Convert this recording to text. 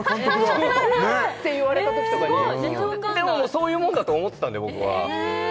そう！って言われた時とかにねっでもそういうもんだと思ってたんで僕はええ